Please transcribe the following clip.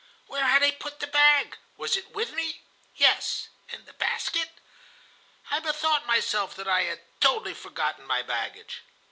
Where had I put the bag? Was it with me? Yes, and the basket? "I bethought myself that I had totally forgotten my baggage.